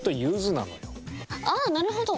あっなるほど。